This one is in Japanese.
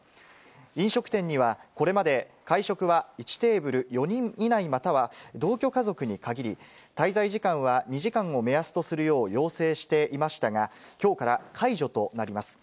飲食店にはこれまで会食は１テーブル４人以内、または同居家族に限り、滞在時間は２時間を目安とするよう要請していましたが、きょうから解除となります。